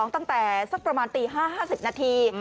ตั้งแต่สักประมาณตี๕๕๐นาที